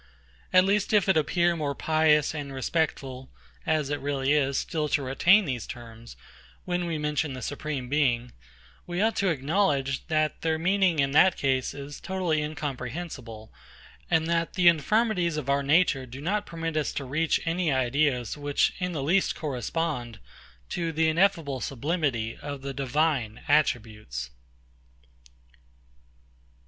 At least if it appear more pious and respectful (as it really is) still to retain these terms, when we mention the Supreme Being, we ought to acknowledge, that their meaning, in that case, is totally incomprehensible; and that the infirmities of our nature do not permit us to reach any ideas which in the least correspond to the ineffable sublimity of the Divine attributes.